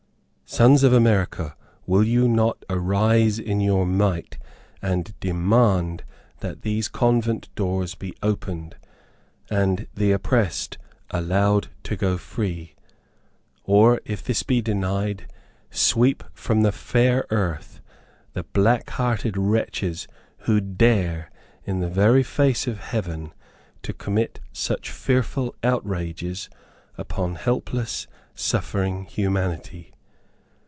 Sons of America! Will you not arise in your might, and demand that these convent doors be opened, and "the oppressed" allowed to "go free"? Or if this be denied, sweep from the fair earth, the black hearted wretches who dare, in the very face of heaven, to commit such fearful outrages upon helpless, suffering humanity?